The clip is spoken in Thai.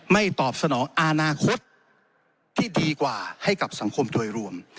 ตอบสนองอนาคตที่ดีกว่าให้กับสังคมโดยรวม